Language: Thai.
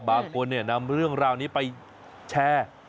บางคนนำเรื่องราวนี้ไปแชร์